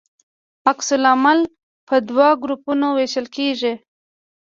عکس العمل په دوه ګروپونو ویشل کیږي.